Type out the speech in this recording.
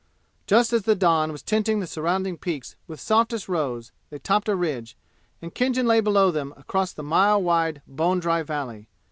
Just as the dawn was tinting the surrounding peaks with softest rose they topped a ridge, and Khinjan lay below them across the mile wide bone dry valley.